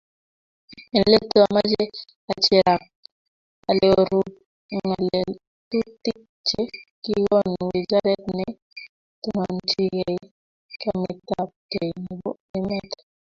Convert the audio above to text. enletu ameche acherak aleorub ng'atutik che kikonu wizaret ne tononchini chametabgei nebo emet